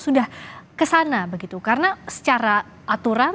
sudah ke sana begitu karena secara aturan